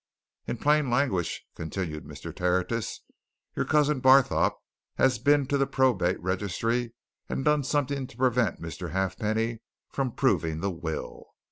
In plain language," continued Mr. Tertius, "your cousin Barthorpe has been to the Probate Registry and done something to prevent Mr. Halfpenny from proving the will.